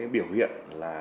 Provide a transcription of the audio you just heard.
biểu hiện là